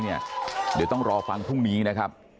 เดี๋ยวต้องรอฟังพรุ่งนี้นะครับ